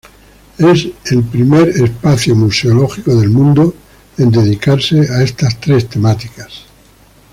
Es el primero espacio museológico del mundo en dedicarse a estas tres temáticas.